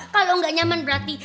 kalau gak nyaman berarti